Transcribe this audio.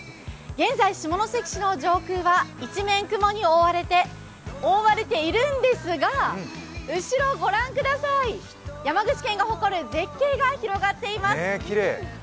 現在、下関市の上空は一面雲に覆われているんですが後ろを御覧ください、山口県が誇る絶景が広がっています。